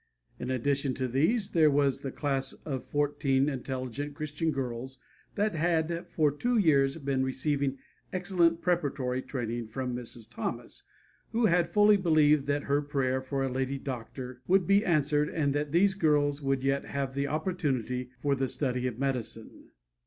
In addition to these, there was the class of fourteen intelligent Christian girls that had for two years been receiving excellent preparatory training from Mrs. Thomas, who had fully believed that her prayer for a lady doctor would be answered and that these girls would yet have the opportunity for the study of medicine.